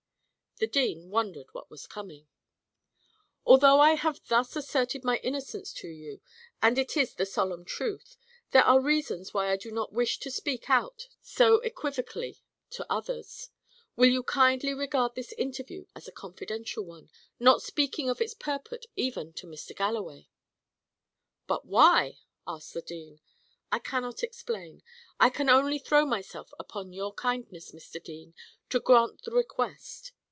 The dean wondered what was coming. "Although I have thus asserted my innocence to you; and it is the solemn truth; there are reasons why I do not wish to speak out so unequivocally to others. Will you kindly regard this interview as a confidential one not speaking of its purport even to Mr. Galloway?" "But why?" asked the dean. "I cannot explain. I can only throw myself upon your kindness, Mr. Dean, to grant the request.